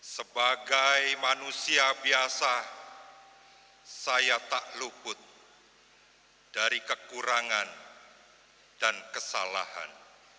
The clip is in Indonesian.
sebagai manusia biasa saya tak luput dari kekurangan dan kesalahan